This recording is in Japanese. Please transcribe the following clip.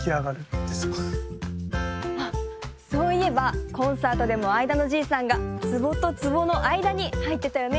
あっそういえばコンサートでもあいだのじいさんが壺と壺のあいだにはいってたよね。